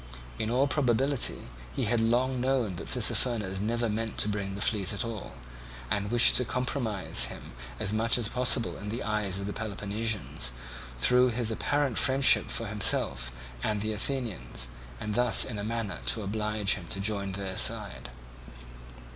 In all probability he had long known that Tissaphernes never meant to bring the fleet at all, and wished to compromise him as much as possible in the eyes of the Peloponnesians through his apparent friendship for himself and the Athenians, and thus in a manner to oblige him to join their side.